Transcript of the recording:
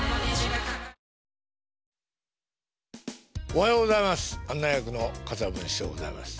おはようございます。